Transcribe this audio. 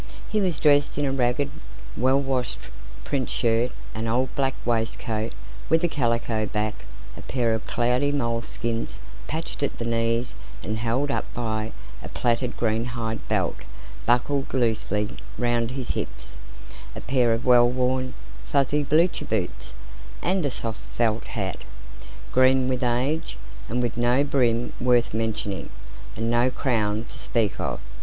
He was dressed in a ragged, well washed print shirt, an old black waistcoat with a calico back, a pair of cloudy moleskins patched at the knees and held up by a plaited greenhide belt buckled loosely round his hips, a pair of well worn, fuzzy blucher boots, and a soft felt hat, green with age, and with no brim worth mentioning, and no crown to speak of.